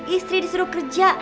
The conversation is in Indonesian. istri disuruh kerja